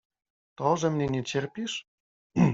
To, że mnie nie cierpisz?